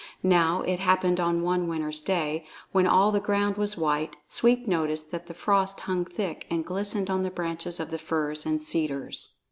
Now it happened on one winter's day, when all the ground was white, Sweep noticed that the frost hung thick and glistened on the branches of the firs and cedars.